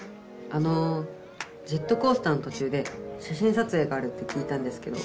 あのジェットコースターのとちゅうで写真撮影があるって聞いたんですけど。